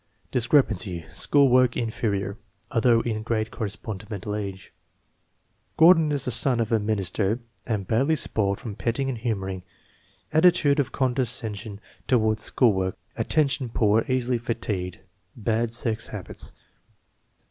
Discrepancy: School work "inferior," although in grade corresponding to mental age. Gordon is the son of a minister and badly spoiled from petting and humoring. Attitude of condescension toward school work. Attention poor; easily fatigued; bad sex habits.